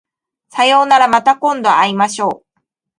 さようならまた今度会いましょう